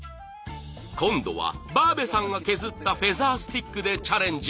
今度はバーベさんが削ったフェザースティックでチャレンジ。